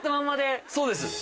そうです。